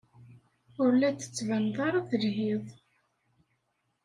Ur la d-tettbaneḍ ara telhiḍ.